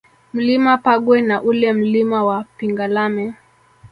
Mlima Pagwe na ule Mlima wa Pingalame